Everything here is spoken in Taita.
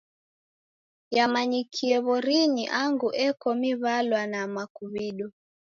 Yamanyikie w'orinyi angu eko miw'alwa na makuw'ido.